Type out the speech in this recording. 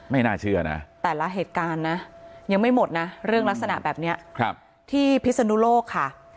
ไม่น่าเชื่อนะแต่ละเหตุการณ์นะยังไม่หมดนะเรื่องลักษณะแบบนี้ที่พิศนุโลกค่ะ